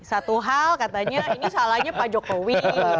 satu hal katanya ini salahnya pak jokowi